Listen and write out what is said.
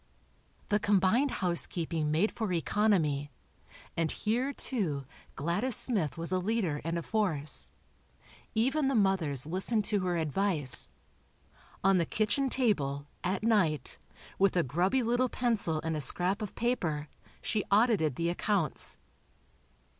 The combined housekeeping made for economy, and here, too, Gladys Smith was a leader and a force. Even the mothers listened to her advice. On the kitchen table, at night, with a grubby little pencil and a scrap of paper, she audited the accounts.